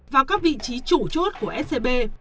và các vị trí chủ chốt của scb